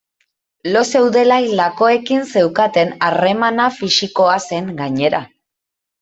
Lo zeudela hildakoekin zeukaten harremana fisikoa zen, gainera.